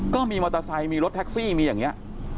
ก็มีมอเตอร์ไซค์มีรถแท็กซี่มีอย่างนี้